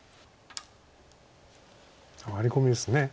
ワリコミです。